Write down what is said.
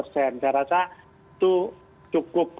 saya rasa itu cukup